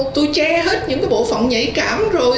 tôi che hết những bộ phận nhảy cảm rồi